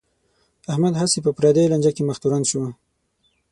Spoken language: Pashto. احمد هسې په پردی لانجه کې مخ تورن شو.